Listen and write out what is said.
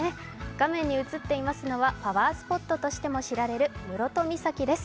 画面に映っていますのはパワースポットとしても知られる室戸岬です。